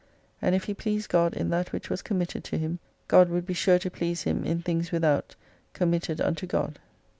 And if he pleased God in that which was committed to him, God would be sure to please him in things without committed unto God.